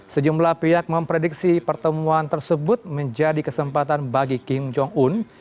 sejumlah pihak memprediksi pertemuan tersebut menjadi kesempatan bagi kim jong un